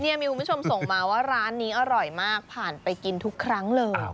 มีคุณผู้ชมส่งมาว่าร้านนี้อร่อยมากผ่านไปกินทุกครั้งเลย